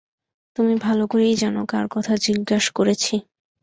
তুমি ভালো করেই জান, কার কথা জিজ্ঞাস করেছি।